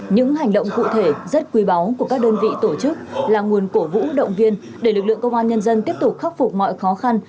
những hành động cụ thể rất quý báu của các đơn vị tổ chức là nguồn cổ vũ động viên để lực lượng công an nhân dân tiếp tục khắc phục mọi khó khăn